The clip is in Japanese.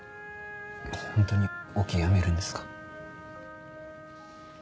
ホントにオケ辞めるんですか？